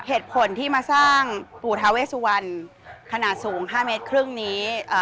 เหตุผลที่มาสร้างปู่ทาเวสวันขนาดสูง๕เมตรครึ่งนี้